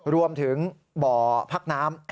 รวมถึงบ่อพักน้ำ